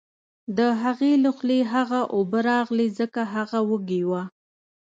د هغې له خولې څخه اوبه راغلې ځکه هغه وږې وه